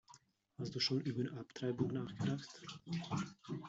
Hast du schon über Abtreibung nachgedacht?